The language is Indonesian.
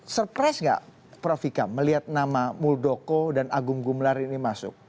surprise nggak prof vika melihat nama muldoko dan agung gumelar ini masuk